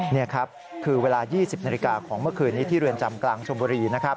นี่ครับคือเวลา๒๐นาฬิกาของเมื่อคืนนี้ที่เรือนจำกลางชมบุรีนะครับ